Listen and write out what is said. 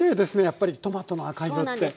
やっぱりトマトの赤色って。